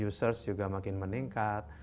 users juga makin meningkat